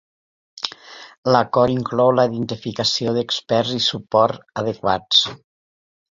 L'acord inclou la identificació d'experts i suport adequats.